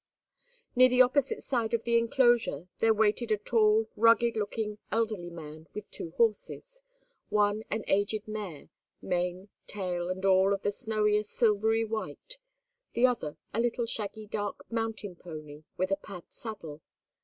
Near the opposite side of the enclosure there waited a tall, rugged looking, elderly man with two horses—one an aged mare, mane, tail, and all of the snowiest silvery white; the other a little shaggy dark mountain pony, with a pad saddle.